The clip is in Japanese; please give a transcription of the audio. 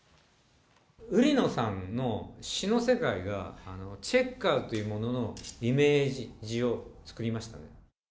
売野さんの詞の世界がチェッカーズというもののイメージを作りましたね。